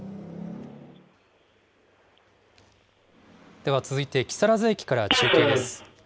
では続いて、木更津駅から中継です。